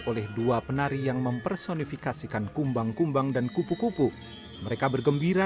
oleh dua penari yang mempersonifikasikan kumbang kumbang dan kupu kupu mereka bergembira